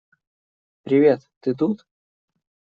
Привет, ты тут?